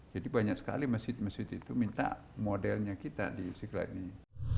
jadi banyak sekali masjid masjid itu minta modelnya kita di istiqlal ini